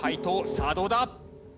さあどうだ？